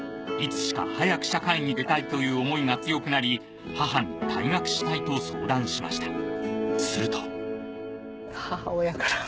いつしか早く社会に出たいという思いが強くなり母に退学したいと相談しました。